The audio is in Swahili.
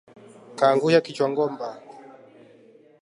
Kaanguka kichwangomba